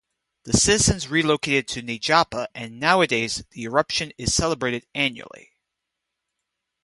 The citizens relocated to Nejapa and nowadays the eruption is celebrated annually.